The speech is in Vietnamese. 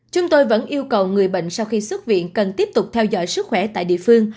chúng tôi vẫn yêu cầu người bệnh sau khi xuất viện cần tiếp tục theo dõi sức khỏe tại địa phương